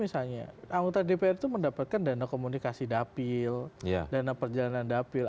misalnya anggota dpr itu mendapatkan dana komunikasi dapil dana perjalanan dapil